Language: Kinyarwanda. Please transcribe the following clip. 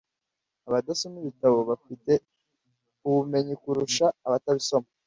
abadasoma ibitabo bafite ubumednyi kurusha abatabisoma